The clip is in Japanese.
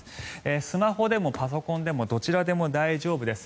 スマホでもパソコンでもどちらでも大丈夫です。